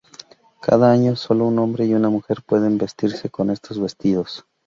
Cada año, sólo un hombre y una mujer pueden vestirse con estos vestidos.